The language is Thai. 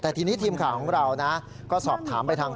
แต่ทีนี้ทีมข่าวของเรานะก็สอบถามไปทาง